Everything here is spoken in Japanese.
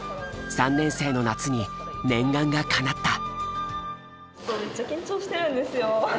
３年生の夏に念願がかなった。